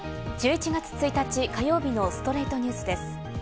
１１月１日、火曜日の『ストレイトニュース』です。